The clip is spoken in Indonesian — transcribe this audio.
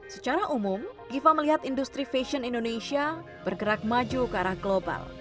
secara umum giva melihat industri fashion indonesia bergerak maju ke arah global